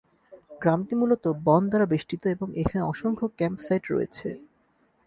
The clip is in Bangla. গ্রামটি মূলত বন দ্বারা বেষ্টিত এবং এখানে অসংখ্য ক্যাম্প সাইট রয়েছে।